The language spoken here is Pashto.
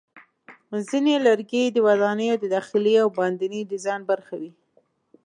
ځینې لرګي د ودانیو د داخلي او باندني ډیزاین برخه وي.